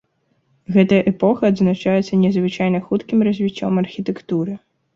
Гэтая эпоха адзначаецца незвычайна хуткім развіццём архітэктуры.